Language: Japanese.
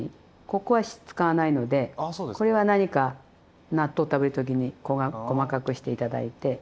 ここは使わないのでこれは何か納豆食べる時に細かくして頂いて。